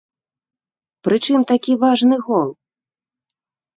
Прычым такі важны гол!